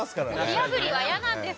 火あぶりは嫌なんです！